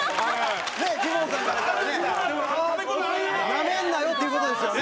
なめんなよっていう事ですよね。